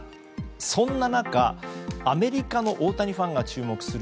そんな中、アメリカの大谷ファンが注目する